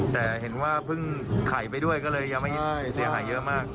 แต่เห็นว่าเพิ่งไข่ไปด้วยก็เลยยังไม่เสียหายเยอะมาก